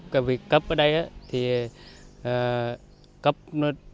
cái việc cấp ở đây thì cấp nó